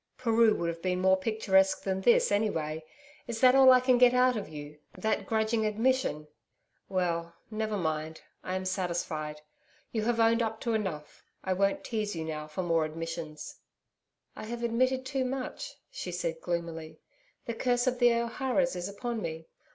'Peru would have been more picturesque than this, anyway. Is that all I can get out of you that grudging admission? Well, never mind, I am satisfied. You have owned up to enough. I won't tease you now for more admissions.' 'I have admitted too much,' she said gloomily. 'The curse of the O'Hara's is upon me.